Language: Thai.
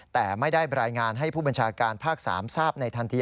แต่ไม่ได้รายงานให้ผู้บัญชาการภาค๓ทราบในทันที